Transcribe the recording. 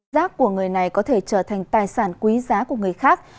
giác của người này có thể trở thành tài sản quý giá của người khác